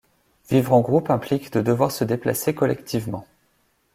Vivre en groupe implique de devoir se déplacer collectivement.